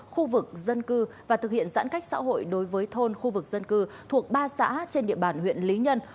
khu vực dân cư và thực hiện giãn cách xã hội đối với thôn khu vực dân cư thuộc ba xã trên địa bàn huyện lý nhân